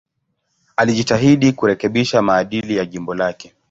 Alijitahidi kurekebisha maadili ya jimbo lake.